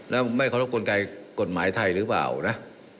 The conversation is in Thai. แล้วไม่เคารพกลไกกฎหมายไทยหรือเปล่านะ